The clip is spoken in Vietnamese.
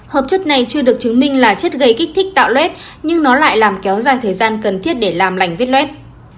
hợp chất này chưa được chứng minh là chất gây kích thích tạo lết nhưng nó lại làm kéo dài thời gian cần thiết để làm lành vết lết